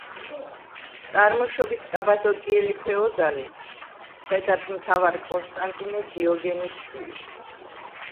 წარმოშობით კაბადოკიელი ფეოდალი, მხედართმთავარ კონსტანტინე დიოგენეს შვილი.